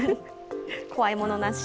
怖いものなし。